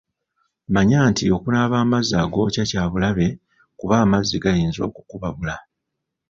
Manya nti okunaaba amazzi agookya kya bulabe kuba amazzi gayinza okukubabula.